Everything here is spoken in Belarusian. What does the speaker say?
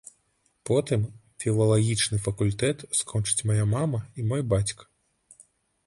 Потым філалагічны факультэт скончаць мая мама і мой бацька.